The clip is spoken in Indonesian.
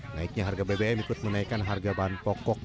naiknya harga bbm ikut menaikkan harga bahan pokok